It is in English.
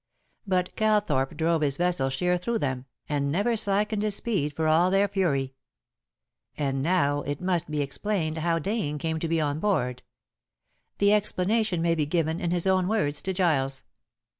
But Calthorpe drove his vessel sheer through them, and never slackened his speed for all their fury. And now it must be explained how Dane came to be on board. The explanation may be given in his own words to Giles.